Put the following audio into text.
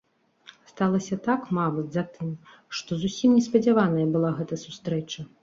Сталася так, мабыць, затым, што зусім неспадзяваная была гэта сустрэча.